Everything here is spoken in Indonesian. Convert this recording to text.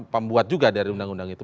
pembuat juga dari undang undang itu